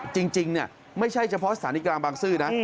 จริงไม่ใช่เฉพาะสถานีกลางบางซื่อนะ